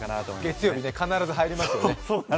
月曜日ね、必ず入りますよね。